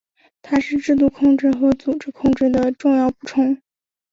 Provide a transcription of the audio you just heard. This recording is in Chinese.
它是制度控制和组织控制的重要补充。